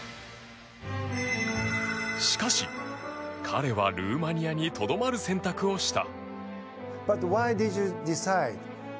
しかし、彼は、ルーマニアにとどまる選択をした。